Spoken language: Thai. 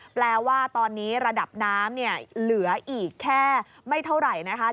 แปลว่าตอนนี้ระดับน้ำเนี่ยเหลืออีกแค่ไม่เท่าไหร่นะคะ